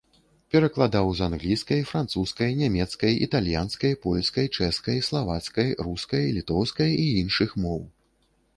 Перакладаў з англійскай, французскай, нямецкай, італьянскай, польскай, чэшскай, славацкай, рускай, літоўскай і іншых моў.